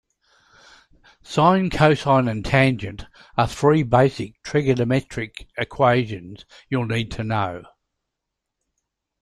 Sine, cosine and tangent are three basic trigonometric equations you'll need to know.